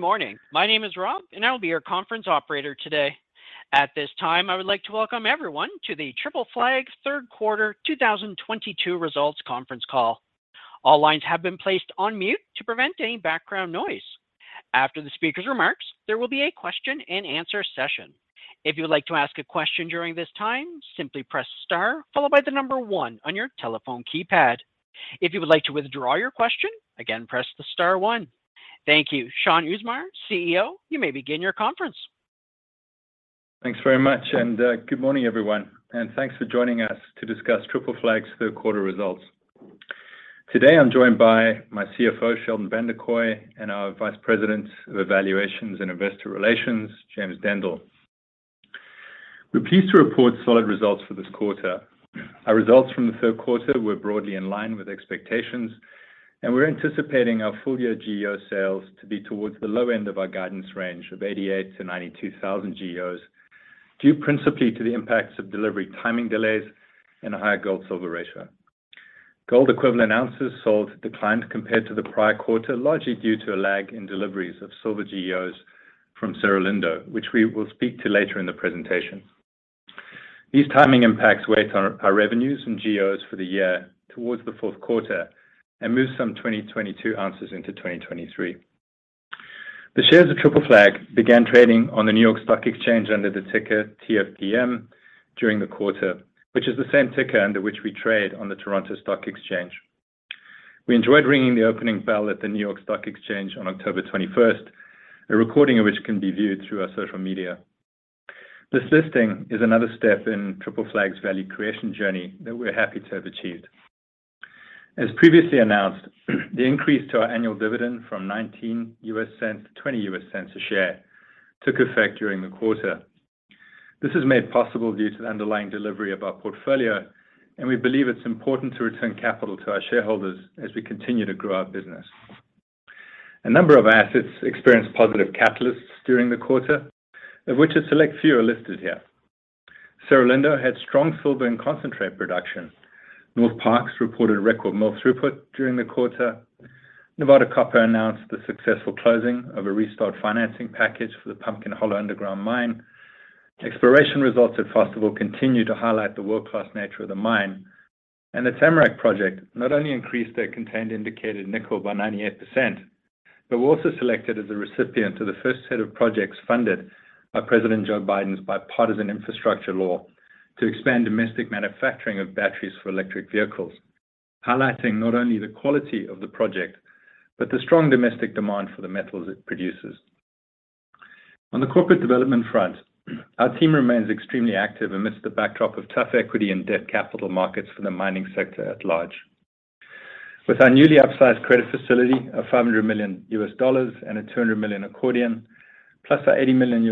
Good morning. My name is Rob, and I will be your conference operator today. At this time, I would like to welcome everyone to the Triple Flag third quarter 2022 results conference call. All lines have been placed on mute to prevent any background noise. After the speaker's remarks, there will be a question and answer session. If you would like to ask a question during this time, simply press star followed by the number one on your telephone keypad. If you would like to withdraw your question, again, press the star one. Thank you. Shaun Usmar, CEO, you may begin your conference. Thanks very much. Good morning, everyone, and thanks for joining us to discuss Triple Flag's third quarter results. Today, I'm joined by my CFO, Sheldon Vanderkooy, and our Vice President of Evaluations and Investor Relations, James Dendle. We're pleased to report solid results for this quarter. Our results from the third quarter were broadly in line with expectations, and we're anticipating our full-year GEO sales to be towards the low end of our guidance range of 88,000-92,000 GEOs, due principally to the impacts of delivery timing delays and a higher gold-silver ratio. Gold equivalent ounces sold declined compared to the prior quarter, largely due to a lag in deliveries of silver GEOs from Cerro Lindo, which we will speak to later in the presentation. These timing impacts weigh on our revenues and GEOs for the year towards the fourth quarter and move some 2022 ounces into 2023. The shares of Triple Flag began trading on the New York Stock Exchange under the ticker TFPM during the quarter, which is the same ticker under which we trade on the Toronto Stock Exchange. We enjoyed ringing the opening bell at the New York Stock Exchange on October 21, a recording of which can be viewed through our social media. This listing is another step in Triple Flag's value creation journey that we're happy to have achieved. As previously announced, the increase to our annual dividend from $0.19 to $0.20 a share took effect during the quarter. This was made possible due to the underlying delivery of our portfolio, and we believe it's important to return capital to our shareholders as we continue to grow our business. A number of assets experienced positive catalysts during the quarter, of which a select few are listed here. Cerro Lindo had strong silver and concentrate production. Northparkes reported record mill throughput during the quarter. Nevada Copper announced the successful closing of a restart financing package for the Pumpkin Hollow underground mine. Exploration results at Fosterville continue to highlight the world-class nature of the mine. The Tamarack project not only increased their contained indicated nickel by 98% but were also selected as a recipient of the first set of projects funded by President Joe Biden's Bipartisan Infrastructure Law to expand domestic manufacturing of batteries for electric vehicles, highlighting not only the quality of the project, but the strong domestic demand for the metals it produces. On the corporate development front, our team remains extremely active amidst the backdrop of tough equity and debt capital markets for the mining sector at large. With our newly upsized credit facility of $500 million and a $200 million accordion, plus our $80 million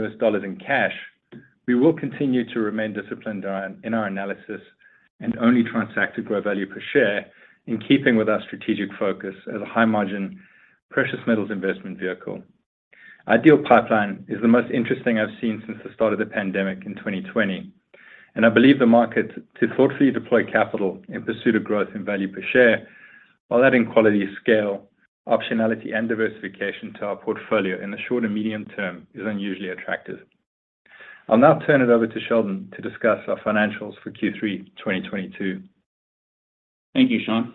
in cash, we will continue to remain disciplined in our analysis and only transact to grow value per share in keeping with our strategic focus as a high-margin precious metals investment vehicle. Deal pipeline is the most interesting I've seen since the start of the pandemic in 2020, and I believe the market to thoughtfully deploy capital in pursuit of growth and value per share while adding quality, scale, optionality, and diversification to our portfolio in the short and medium term is unusually attractive. I'll now turn it over to Sheldon to discuss our financials for Q3 2022. Thank you, Shaun.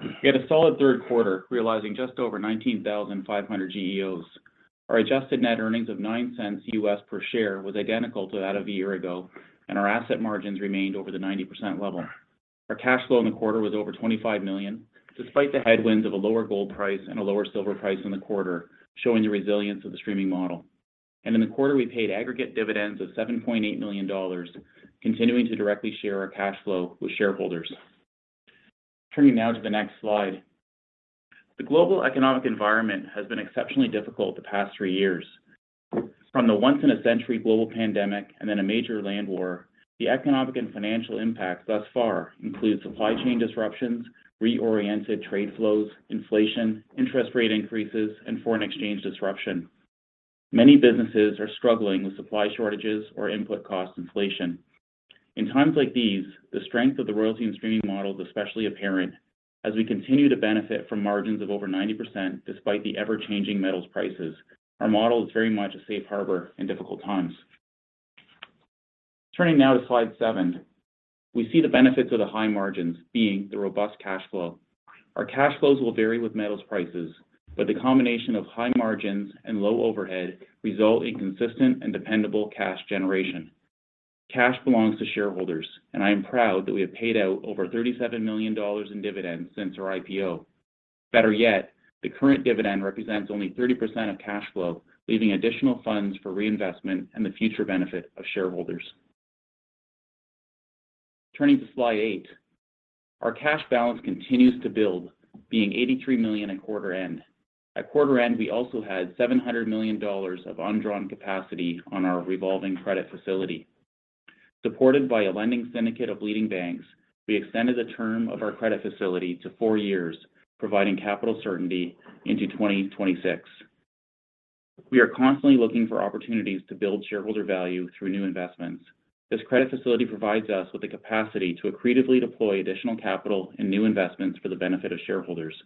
We had a solid third quarter, realizing just over 19,500 GEOs. Our adjusted net earnings of $0.09 per share was identical to that of a year ago, and our asset margins remained over the 90% level. Our cash flow in the quarter was over $25 million, despite the headwinds of a lower gold price and a lower silver price in the quarter, showing the resilience of the streaming model. In the quarter, we paid aggregate dividends of $7.8 million, continuing to directly share our cash flow with shareholders. Turning now to the next slide. The global economic environment has been exceptionally difficult the past three years. From the once-in-a-century global pandemic and then a major land war, the economic and financial impacts thus far include supply chain disruptions, reoriented trade flows, inflation, interest rate increases, and foreign exchange disruption. Many businesses are struggling with supply shortages or input cost inflation. In times like these, the strength of the royalty and streaming model is especially apparent as we continue to benefit from margins of over 90% despite the ever-changing metals prices. Our model is very much a safe harbor in difficult times. Turning now to slide 7. We see the benefits of the high margins being the robust cash flow. Our cash flows will vary with metals prices, but the combination of high margins and low overhead result in consistent and dependable cash generation. Cash belongs to shareholders, and I am proud that we have paid out over $37 million in dividends since our IPO. Better yet, the current dividend represents only 30% of cash flow, leaving additional funds for reinvestment and the future benefit of shareholders. Turning to slide 8. Our cash balance continues to build, being $83 million at quarter end. At quarter end, we also had $700 million of undrawn capacity on our revolving credit facility. Supported by a lending syndicate of leading banks, we extended the term of our credit facility to 4 years, providing capital certainty into 2026. We are constantly looking for opportunities to build shareholder value through new investments. This credit facility provides us with the capacity to accretively deploy additional capital and new investments for the benefit of shareholders.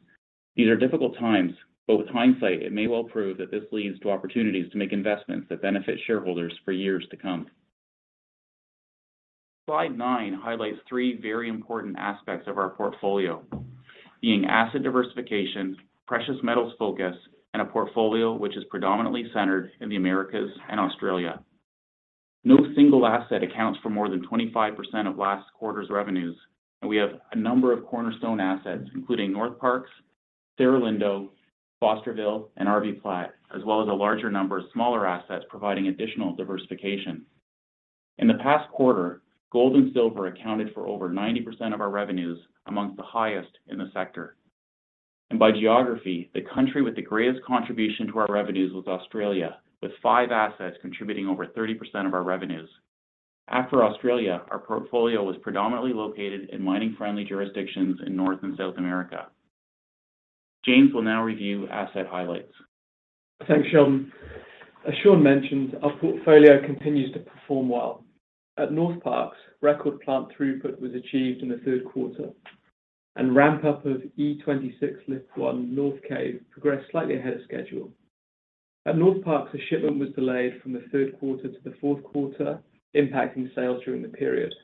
These are difficult times, but with hindsight, it may well prove that this leads to opportunities to make investments that benefit shareholders for years to come. Slide nine highlights three very important aspects of our portfolio, being asset diversification, precious metals focus, and a portfolio which is predominantly centered in the Americas and Australia. No single asset accounts for more than 25% of last quarter's revenues, and we have a number of cornerstone assets, including Northparkes, Cerro Lindo, Fosterville, and RBPlat, as well as a larger number of smaller assets providing additional diversification. In the past quarter, gold and silver accounted for over 90% of our revenues, among the highest in the sector. By geography, the country with the greatest contribution to our revenues was Australia, with 5 assets contributing over 30% of our revenues. After Australia, our portfolio was predominantly located in mining-friendly jurisdictions in North and South America. James will now review asset highlights. Thanks, Sheldon. As Shaun mentioned, our portfolio continues to perform well. At Northparkes, record plant throughput was achieved in the third quarter, and ramp-up of E26 Lift One North Cave progressed slightly ahead of schedule. At Northparkes, the shipment was delayed from the third quarter to the fourth quarter, impacting sales during the period.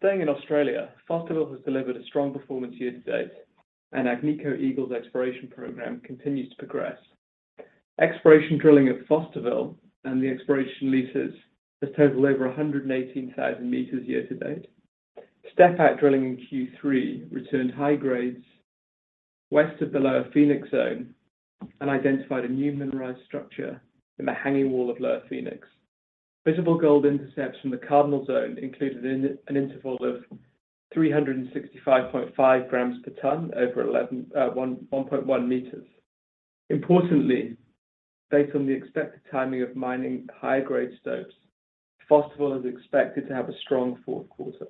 Staying in Australia, Fosterville has delivered a strong performance year-to-date, and Agnico Eagle's exploration program continues to progress. Exploration drilling at Fosterville and the exploration leases has totaled over 118,000 meters year-to-date. Step-out drilling in Q3 returned high grades west of the Lower Phoenix Zone and identified a new mineralized structure in the hanging wall of Lower Phoenix. Visible gold intercepts from the Cardinal Zone included an interval of 365.5 grams per ton over 11.1 meters. Importantly, based on the expected timing of mining high-grade stopes, Fosterville is expected to have a strong fourth quarter.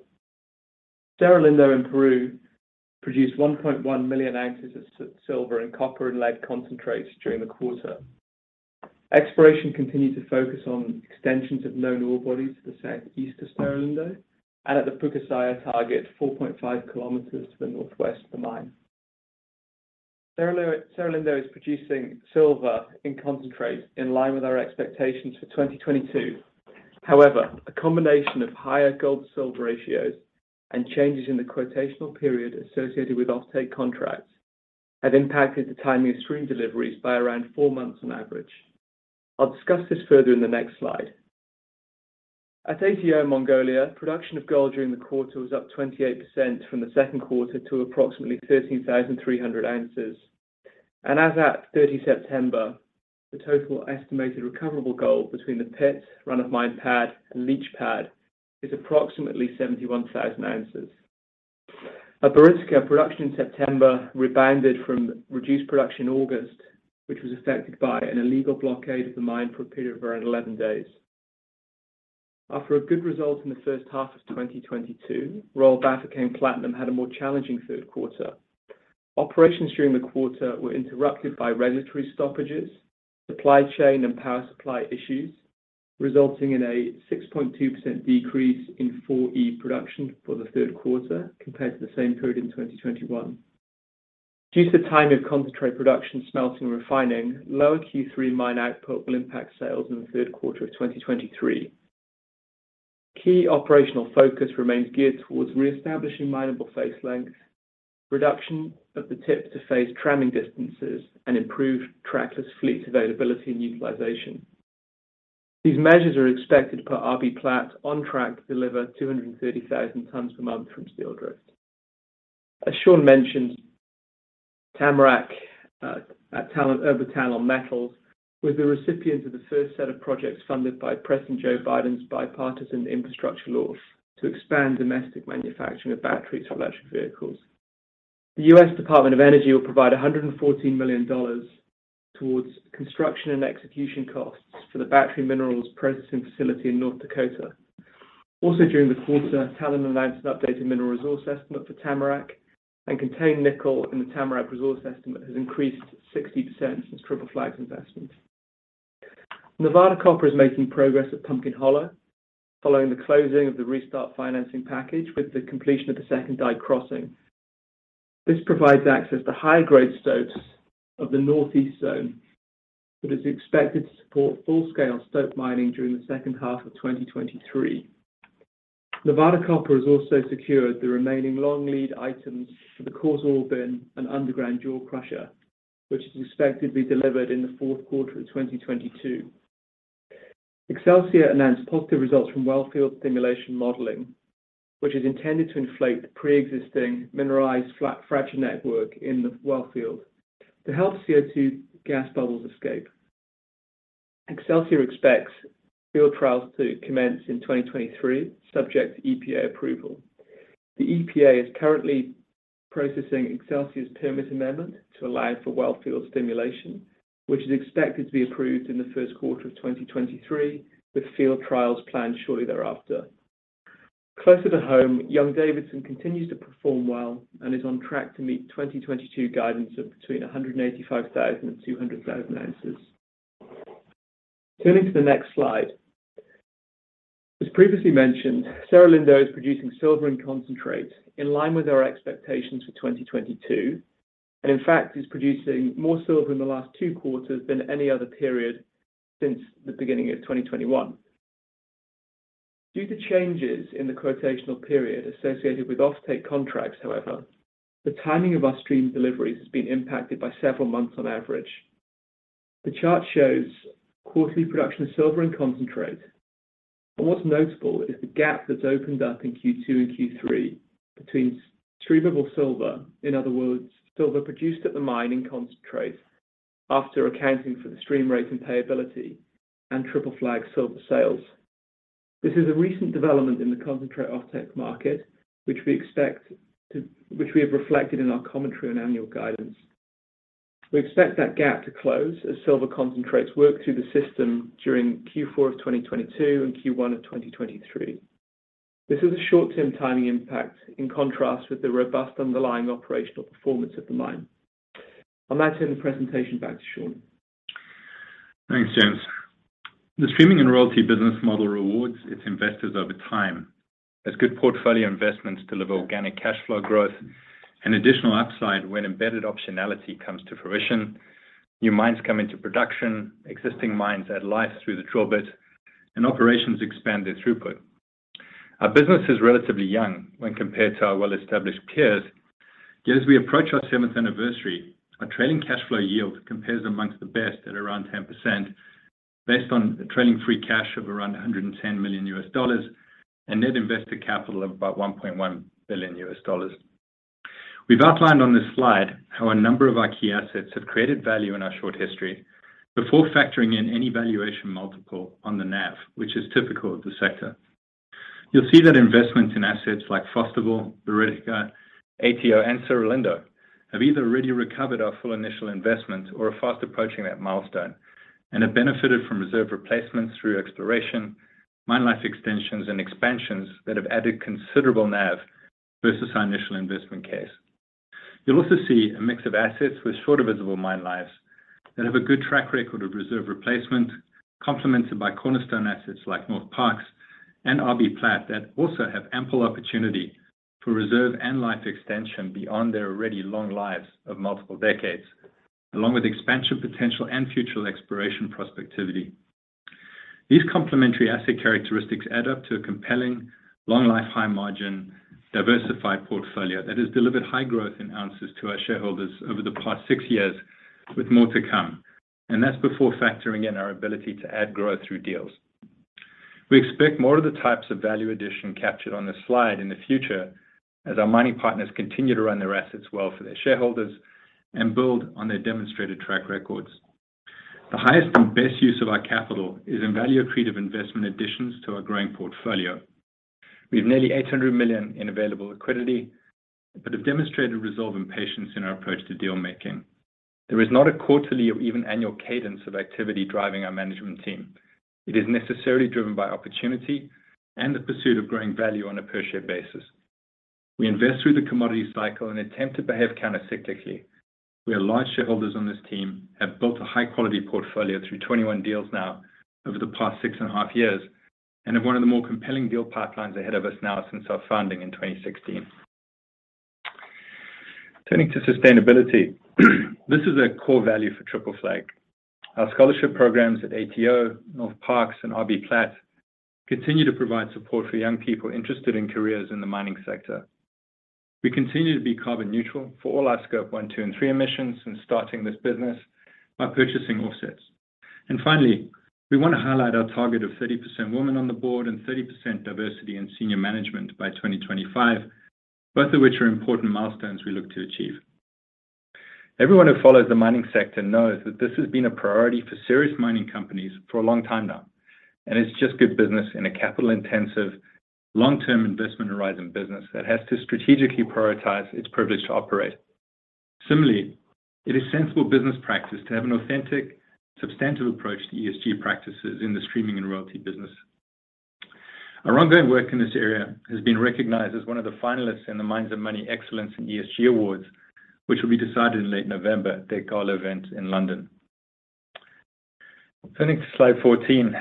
Cerro Lindo in Peru produced 1.1 million ounces of silver and copper and lead concentrates during the quarter. Exploration continued to focus on extensions of known ore bodies to the southeast of Cerro Lindo and at the Pucasaia target, 4.5 kilometers to the northwest of the mine. Cerro Lindo is producing silver in concentrates in line with our expectations for 2022. However, a combination of higher gold-to-silver ratios and changes in the quotational period associated with offtake contracts have impacted the timing of stream deliveries by around four months on average. I'll discuss this further in the next slide. At ATO Mongolia, production of gold during the quarter was up 28% from the second quarter to approximately 13,300 ounces. As at 30 September, the total estimated recoverable gold between the pit, run-of-mine pad, and leach pad is approximately 71,000 ounces. At Berezovka, production in September rebounded from reduced production in August, which was affected by an illegal blockade of the mine for a period of around 11 days. After a good result in the first half of 2022, Royal Bafokeng Platinum had a more challenging third quarter. Operations during the quarter were interrupted by regulatory stoppages, supply chain, and power supply issues, resulting in a 6.2% decrease in 4E production for the third quarter compared to the same period in 2021. Due to the timing of concentrate production, smelting, and refining, lower Q3 mine output will impact sales in the third quarter of 2023. Key operational focus remains geared towards reestablishing mineable face length, reduction of the tip to face tramming distances, and improved trackless fleet availability and utilization. These measures are expected to put RBPlat on track to deliver 230,000 tonnes a month from Styldrift. As Sean mentioned, Tamarack at Talon Metals was the recipient of the first set of projects funded by President Joe Biden's Bipartisan Infrastructure Law to expand domestic manufacturing of batteries for electric vehicles. The US Department of Energy will provide $114 million towards construction and execution costs for the battery minerals processing facility in North Dakota. Also during the quarter, Talon announced an updated mineral resource estimate for Tamarack, and contained nickel in the Tamarack resource estimate has increased 60% since Triple Flag's investment. Nevada Copper is making progress at Pumpkin Hollow following the closing of the restart financing package with the completion of the second dike crossing. This provides access to high-grade stopes of the northeast zone that is expected to support full-scale stope mining during the second half of 2023. Nevada Copper has also secured the remaining long-lead items for the coarse ore bin and underground jaw crusher, which is expected to be delivered in the fourth quarter of 2022. Excelsior announced positive results from wellfield stimulation modeling, which is intended to inflate the preexisting mineralized flat fracture network in the wellfield to help CO2 gas bubbles escape. Excelsior expects field trials to commence in 2023, subject to EPA approval. The EPA is currently processing Excelsior's permit amendment to allow for wellfield stimulation, which is expected to be approved in the first quarter of 2023, with field trials planned shortly thereafter. Closer to home, Young-Davidson continues to perform well and is on track to meet 2022 guidance of between 185,000 and 200,000 ounces. Turning to the next slide. As previously mentioned, Cerro Lindo is producing silver and concentrate in line with our expectations for 2022, and in fact is producing more silver in the last two quarters than any other period since the beginning of 2021. Due to changes in the quotational period associated with offtake contracts, however, the timing of our stream deliveries has been impacted by several months on average. The chart shows quarterly production of silver and concentrate. What's notable is the gap that's opened up in Q2 and Q3 between streamable silver, in other words, silver produced at the mine in concentrate after accounting for the stream rate and payability and Triple Flag silver sales. This is a recent development in the concentrate offtake market, which we have reflected in our commentary and annual guidance. We expect that gap to close as silver concentrates work through the system during Q4 of 2022 and Q1 of 2023. This is a short-term timing impact in contrast with the robust underlying operational performance of the mine. On that, I turn the presentation back to Shaun. Thanks, James. The streaming and royalty business model rewards its investors over time, as good portfolio investments deliver organic cash flow growth and additional upside when embedded optionality comes to fruition, new mines come into production, existing mines add life through the drill bit, and operations expand their throughput. Our business is relatively young when compared to our well-established peers. Yet as we approach our seventh anniversary, our trailing cash flow yield compares among the best at around 10% based on trailing free cash of around $110 million and net invested capital of about $1.1 billion. We've outlined on this slide how a number of our key assets have created value in our short history before factoring in any valuation multiple on the NAV, which is typical of the sector. You'll see that investments in assets like Fosterville, Buriticá, ATO, and Cerro Lindo have either already recovered our full initial investment or are fast approaching that milestone, and have benefited from reserve replacements through exploration, mine life extensions and expansions that have added considerable NAV versus our initial investment case. You'll also see a mix of assets with shorter visible mine lives that have a good track record of reserve replacement, complemented by cornerstone assets like Northparkes and RBPlat that also have ample opportunity for reserve and life extension beyond their already long lives of multiple decades, along with expansion potential and future exploration prospectivity. These complementary asset characteristics add up to a compelling long life, high margin, diversified portfolio that has delivered high growth in ounces to our shareholders over the past six years, with more to come. That's before factoring in our ability to add growth through deals. We expect more of the types of value addition captured on this slide in the future as our mining partners continue to run their assets well for their shareholders and build on their demonstrated track records. The highest and best use of our capital is in value-accretive investment additions to our growing portfolio. We have nearly $800 million in available liquidity, but have demonstrated resolve and patience in our approach to deal making. There is not a quarterly or even annual cadence of activity driving our management team. It is necessarily driven by opportunity and the pursuit of growing value on a per share basis. We invest through the commodity cycle and attempt to behave counter-cyclically. We are large shareholders on this team, have built a high-quality portfolio through 21 deals now over the past 6.5 years, and have one of the more compelling deal pipelines ahead of us now since our founding in 2016. Turning to sustainability, this is a core value for Triple Flag. Our scholarship programs at ATO, Northparkes, and RBPlat continue to provide support for young people interested in careers in the mining sector. We continue to be carbon neutral for all our Scope 1, 2, and 3 emissions since starting this business by purchasing offsets. Finally, we wanna highlight our target of 30% women on the board and 30% diversity in senior management by 2025, both of which are important milestones we look to achieve. Everyone who follows the mining sector knows that this has been a priority for serious mining companies for a long time now, and it's just good business in a capital-intensive long-term investment horizon business that has to strategically prioritize its privilege to operate. Similarly, it is sensible business practice to have an authentic, substantive approach to ESG practices in the streaming and royalty business. Our ongoing work in this area has been recognized as one of the finalists in the Mines and Money Excellence in ESG Awards, which will be decided in late November at their gala event in London. Turning to slide 14.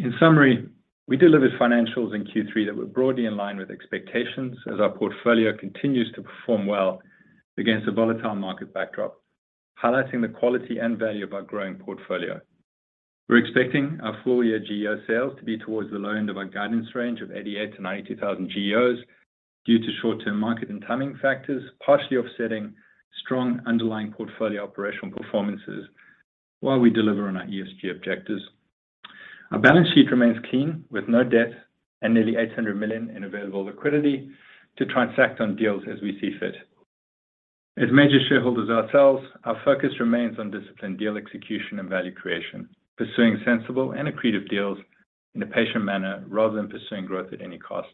In summary, we delivered financials in Q3 that were broadly in line with expectations as our portfolio continues to perform well against a volatile market backdrop, highlighting the quality and value of our growing portfolio. We're expecting our full-year GEO sales to be towards the low end of our guidance range of 88,000-92,000 GEOs due to short-term market and timing factors, partially offsetting strong underlying portfolio operational performances while we deliver on our ESG objectives. Our balance sheet remains clean with no debt and nearly $800 million in available liquidity to transact on deals as we see fit. As major shareholders ourselves, our focus remains on disciplined deal execution and value creation, pursuing sensible and accretive deals in a patient manner rather than pursuing growth at any cost.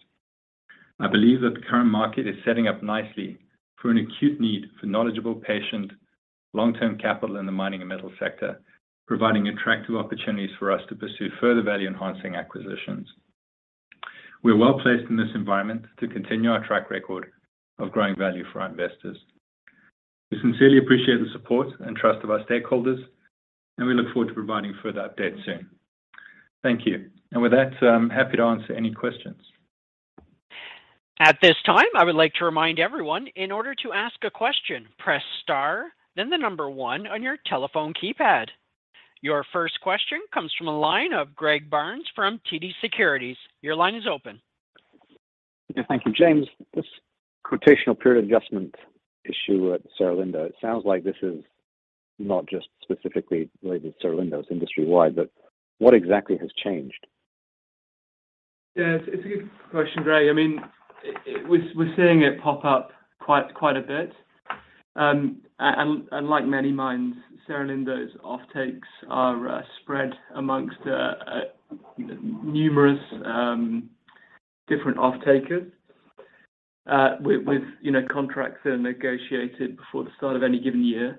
I believe that the current market is setting up nicely for an acute need for knowledgeable, patient, long-term capital in the mining and metals sector, providing attractive opportunities for us to pursue further value-enhancing acquisitions. We're well-placed in this environment to continue our track record of growing value for our investors. We sincerely appreciate the support and trust of our stakeholders, and we look forward to providing further updates soon. Thank you. With that, I'm happy to answer any questions. At this time, I would like to remind everyone, in order to ask a question, press star, then the number one on your telephone keypad. Your first question comes from a line of Greg Barnes from TD Securities. Your line is open. Thank you. James, this quotational period adjustment issue at Cerro Lindo, it sounds like this is not just specifically related to Cerro Lindo, it's industry-wide, but what exactly has changed? Yes, it's a good question, Greg. I mean, we're seeing it pop up quite a bit. Like many mines, Cerro Lindo's offtakes are spread amongst numerous different off-takers with you know, contracts that are negotiated before the start of any given year.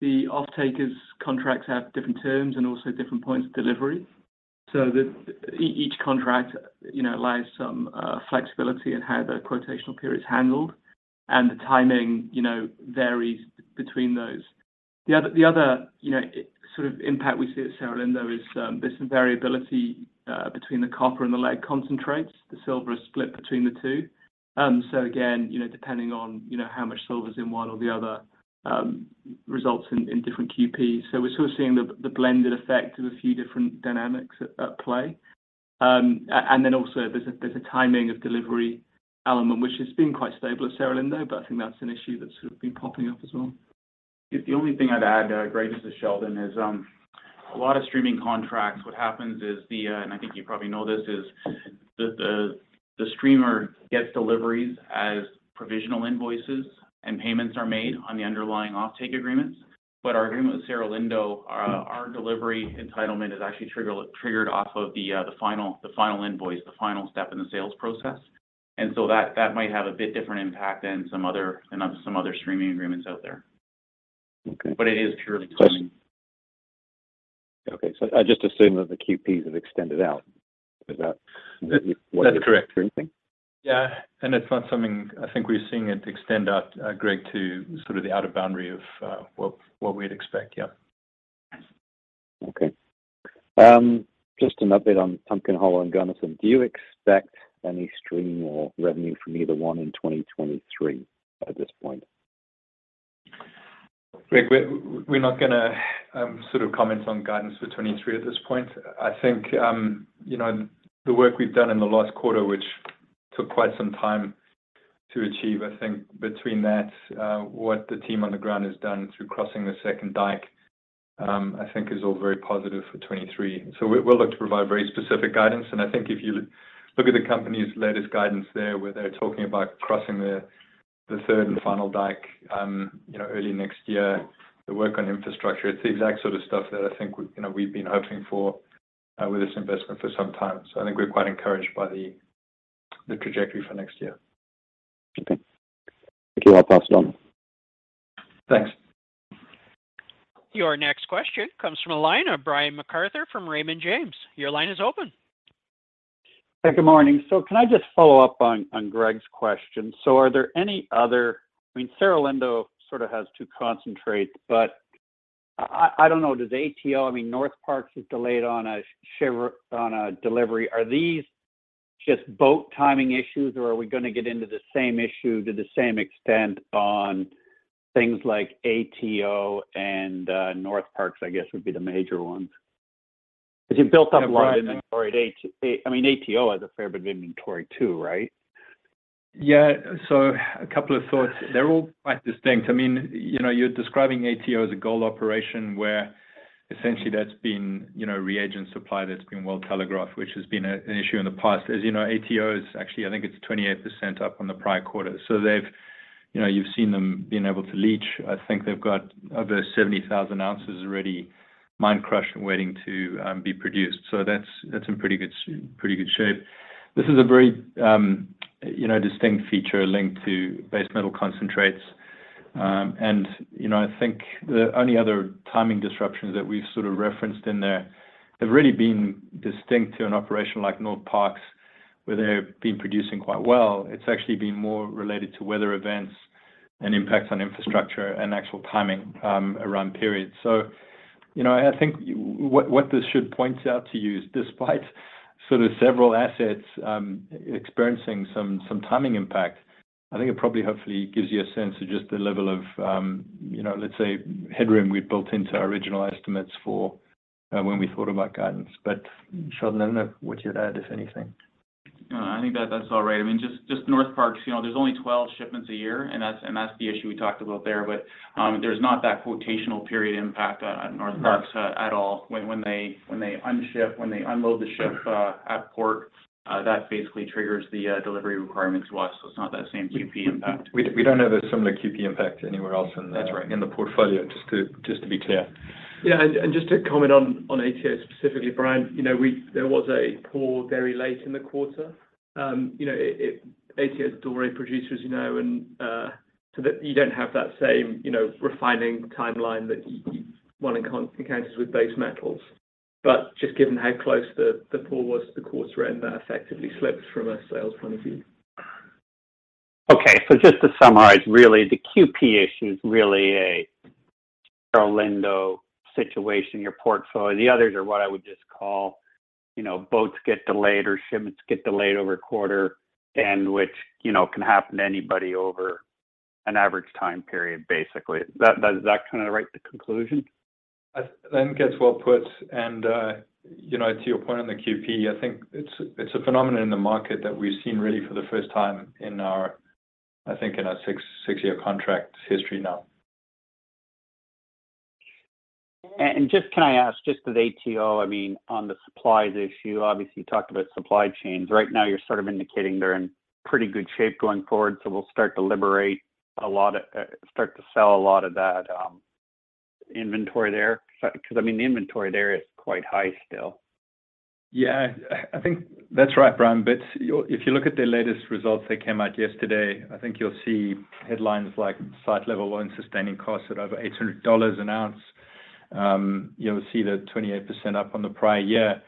The off-takers contracts have different terms and also different points of delivery. Each contract you know, allows some flexibility in how the quotational period is handled, and the timing you know, varies between those. The other you know, sort of impact we see at Cerro Lindo is there's some variability between the copper and the lead concentrates. The silver is split between the two. Again, you know, depending on you know, how much silver's in one or the other results in different QPs. We're sort of seeing the blended effect of a few different dynamics at play. And then also there's a timing of delivery element, which has been quite stable at Cerro Lindo, but I think that's an issue that's sort of been popping up as well. The only thing I'd add, Greg, just to Sheldon, is a lot of streaming contracts, what happens is, and I think you probably know this, is the streamer gets deliveries as provisional invoices, and payments are made on the underlying offtake agreements. Our agreement with Cerro Lindo, our delivery entitlement is actually triggered off of the final invoice, the final step in the sales process. That might have a bit different impact than some other streaming agreements out there. Okay. It is purely timing. Okay. I just assume that the QPs have extended out. Is that what you're implying? That's correct. Yeah. It's not something I think we're seeing it extend out, Greg, to sort of the outer boundary of what we'd expect. Yeah. Okay. Just an update on Pumpkin Hollow and Gunnison. Do you expect any stream or revenue from either one in 2023 at this point? Greg, we're not gonna sort of comment on guidance for 2023 at this point. I think, you know, the work we've done in the last quarter, which took quite some time to achieve, I think between that, what the team on the ground has done through crossing the second dike, I think is all very positive for 2023. We'll look to provide very specific guidance. I think if you look at the company's latest guidance there, where they're talking about crossing the third and final dike, you know, early next year, the work on infrastructure. It's the exact sort of stuff that I think, you know, we've been hoping for with this investment for some time. I think we're quite encouraged by the trajectory for next year. Okay. Thank you. I'll pass it on. Thanks. Your next question comes from a line of Brian MacArthur from Raymond James. Your line is open. Hey, good morning. Can I just follow up on Greg's question? Are there any other I mean, Cerro Lindo sort of has two concentrates, but I don't know, does ATO, I mean, Northparkes is delayed on a ship on a delivery. Are these just boat timing issues, or are we gonna get into the same issue to the same extent on things like ATO and Northparkes, I guess, would be the major ones? Because you've built up a lot of inventory at ATO, I mean, ATO has a fair bit of inventory too, right? Yeah. A couple of thoughts. They're all quite distinct. I mean, you know, you're describing ATO as a gold operation where essentially that's been, you know, reagent supply that's been well telegraphed, which has been an issue in the past. As you know, ATO is actually, I think it's 28% up on the prior quarter. So they've, you know, you've seen them being able to leach. I think they've got over 70,000 ounces already mined and crushed and waiting to be produced. So that's in pretty good shape. This is a very, you know, distinct feature linked to base metal concentrates. You know, I think the only other timing disruptions that we've sort of referenced in there have really been distinct to an operation like Northparkes, where they've been producing quite well. It's actually been more related to weather events and impacts on infrastructure and actual timing around periods. You know, I think what this should point out to you is despite sort of several assets experiencing some timing impact, I think it probably hopefully gives you a sense of just the level of, you know, let's say headroom we'd built into our original estimates for when we thought about guidance. Sheldon, I don't know what you'd add, if anything. No, I think that's all right. I mean, just Northparkes, you know, there's only 12 shipments a year, and that's the issue we talked about there. There's not that quotational period impact on Northparkes at all. When they unload the ship at port, that basically triggers the delivery requirements to us. It's not that same QP impact. We don't have some of the QP impact anywhere else in the. That's right. in the portfolio, just to be clear. Yeah. Just to comment on ATO specifically, Brian, you know, there was a pour very late in the quarter. You know, ATO is a doré producer, as you know, and so that you don't have that same, you know, refining timeline that one encounters with base metals. Just given how close the pool was to the quarter end, that effectively slipped from a sales point of view. Just to summarize, really the QP issue is really a Orlando situation in your portfolio. The others are what I would just call, you know, boats get delayed or shipments get delayed over a quarter, and which, you know, can happen to anybody over an average time period, basically. That is that kinda right, the conclusion? I think that's well put, and you know, to your point on the QP, I think it's a phenomenon in the market that we've seen really for the first time in our, I think, in our 6-year contract history now. Just can I ask, just with ATO, I mean, on the supplies issue, obviously you talked about supply chains. Right now you're sort of indicating they're in pretty good shape going forward, so we'll start to sell a lot of that inventory there. Because I mean, the inventory there is quite high still. Yeah. I think that's right, Brian, but if you look at the latest results that came out yesterday, I think you'll see headlines like site-level all-in sustaining costs at over $800 an ounce. You'll see the 28% up on the prior year.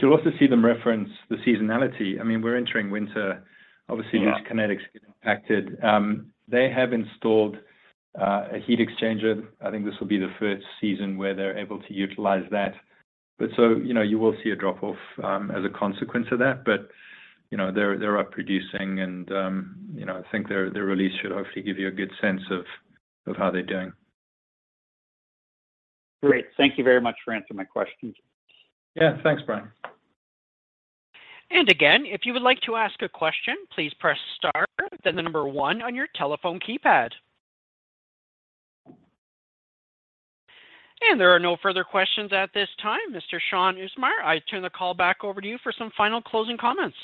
You'll also see them reference the seasonality. I mean, we're entering winter. Yeah. Obviously, these kinetics get impacted. They have installed a heat exchanger. I think this will be the first season where they're able to utilize that. You know, you will see a drop-off as a consequence of that. You know, they're up producing and, you know, I think their release should hopefully give you a good sense of how they're doing. Great. Thank you very much for answering my questions. Yeah. Thanks, Brian. Again, if you would like to ask a question, please press star then the number one on your telephone keypad. There are no further questions at this time. Mr. Shaun Usmar, I turn the call back over to you for some final closing comments.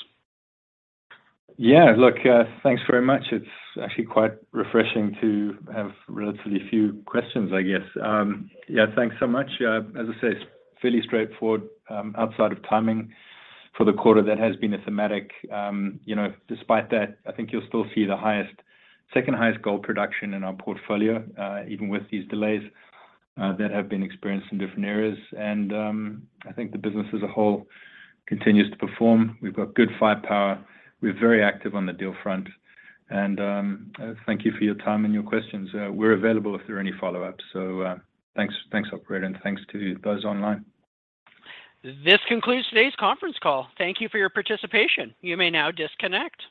Yeah. Look, thanks very much. It's actually quite refreshing to have relatively few questions, I guess. Yeah, thanks so much. As I say, it's fairly straightforward, outside of timing for the quarter that has been a thematic. You know, despite that, I think you'll still see the highest, second highest gold production in our portfolio, even with these delays that have been experienced in different areas. I think the business as a whole continues to perform. We've got good firepower. We're very active on the deal front. Thank you for your time and your questions. We're available if there are any follow-ups. Thanks, thanks, operator, and thanks to those online. This concludes today's conference call. Thank you for your participation. You may now disconnect.